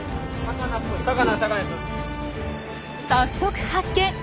早速発見。